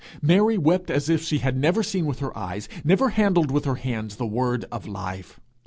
Mary wept as if she had never seen with her eyes, never handled with her hands the Word of life!